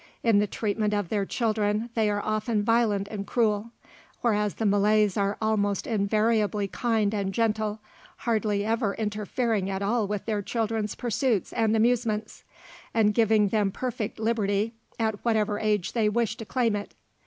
In the treatment of their children they are often violent and cruel; whereas the Malays are almost invariably kind and gentle, hardly ever interfering at all with their children's pursuits and amusements, and giving them perfect liberty at whatever age they wish to claim it.